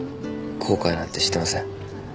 後悔なんてしてません。